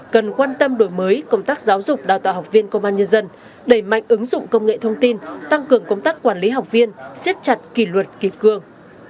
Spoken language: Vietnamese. cần quan tâm đổi mới công tác giáo dục đào tạo học viên công an nhân dân đẩy mạnh ứng dụng công nghệ thông tin tăng cường công tác quản lý học viên siết chặt kỳ luật kỳ cương